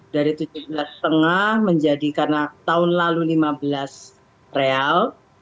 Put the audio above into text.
dari rp tujuh belas lima menjadi karena tahun lalu rp lima belas